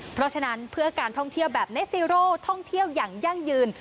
เพราะฉะนั้นเพื่อการท่องเที่ยวแบบเนสซีโร่ท่องเที่ยวอย่างยั่งยืน